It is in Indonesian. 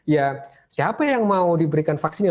ya siapa yang mau diberikan vaksinnya